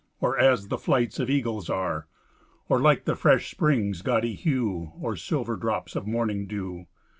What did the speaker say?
Or as the flights of eagles are. Or like the fresh spring's gaudy hue, Or silver drops of morning dew.